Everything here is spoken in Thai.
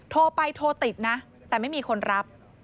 โทรไปโทรติดนะแต่ไม่มีคนรับ